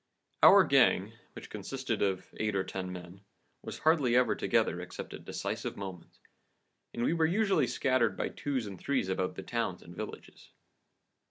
"Our gang, which consisted of eight or ten men, was hardly ever together except at decisive moments, and we were usually scattered by twos and threes about the towns and villages.